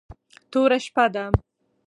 توره شپه ده .